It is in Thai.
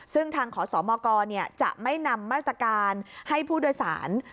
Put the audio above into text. ซึ่งทางขอสมกจะไม่นำมาตรการให้ผู้โดยสาร